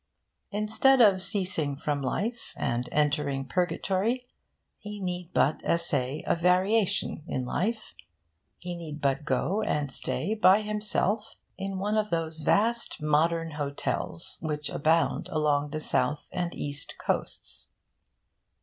Instead of ceasing from life, and entering purgatory, he need but essay a variation in life. He need but go and stay by himself in one of those vast modern hotels which abound along the South and East coasts.